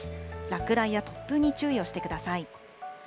落雷や突風に注意をしてください。